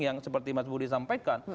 yang seperti mas budi sampaikan